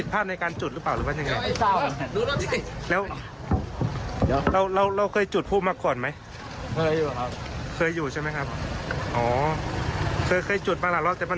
มันเป็นภูมิข้างบน